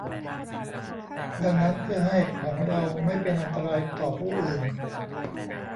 ดังนั้นเพื่อให้ ของเราไม่เป็นอันตรายต่อผู้อื่น